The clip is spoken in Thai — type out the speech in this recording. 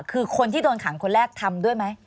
คือคนที่โดนขังคนแรกทำด้วยไหม